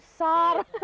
kasian nih lu